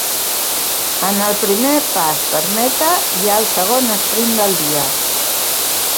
En el primer pas per meta hi ha el segon esprint del dia.